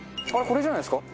これじゃないですか？